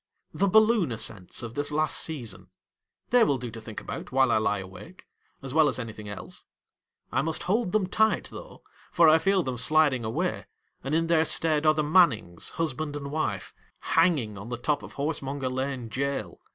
The balloon ascents of this last season. They will do to think about, while I lie awake, as well as anything else. I must hold them tight though, for I feel them sliding away, and in their stead are the Mannings, husband and wife, hanging on the top of Horsemonger Lane Jail.